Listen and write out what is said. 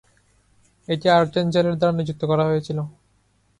এটা আর্টেঞ্জেলের দ্বারা নিযুক্ত করা হয়েছিল।